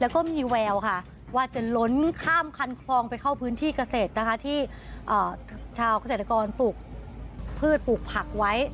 แล้วก็มีแววค่ะว่าจะล้นข้ามคันคลองไปเข้าพื้นที่เกษตรนะคะที่ชาวเกษตรกรปลูกพืชปลูกผักไว้